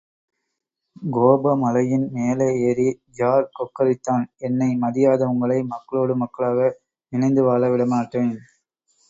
கோபமலையின் மேலே ஏறி ஜார் கொக்கரித்தான் என்னை மதியாத உங்களை மக்களோடு மக்களாக இணைந்து வாழ விடமாட்டேன்!